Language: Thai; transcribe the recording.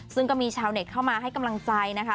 ซึ่งก็มีชาวเน็ตเข้ามาให้กำลังใจนะคะ